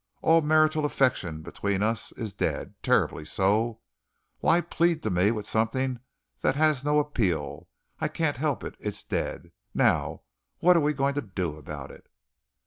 All marital affection between us is dead terribly so. Why plead to me with something that has no appeal. I can't help it. It's dead. Now what are we going to do about it?"